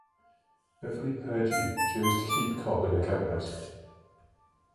Beverly Perdue chose to keep Cobb in her cabinet.